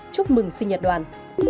chúc mừng sinh nhật đoàn